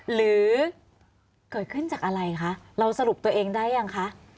หรือเกิดขึ้นจากอะไรคะเราสรุปตัวเองได้ยังคะ